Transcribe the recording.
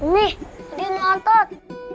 nih dia mau otot